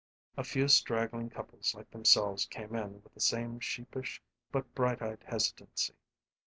A few straggling couples like themselves came in with the same sheepish but bright eyed hesitancy.